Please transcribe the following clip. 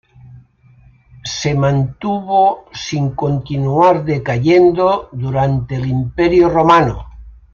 Se mantuvo sin continuar decayendo durante el Imperio romano.